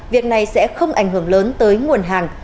việc này sẽ không ảnh hưởng lớn tới nguồn hàng